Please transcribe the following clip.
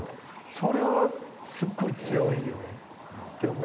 それはすっごい強いよねって思う。